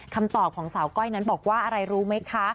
คำตอบของสาวก้อยนั้นบอกว่าอะไรรู้ไหมคะ